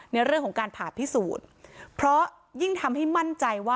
ในเรื่องของการผ่าพิสูจน์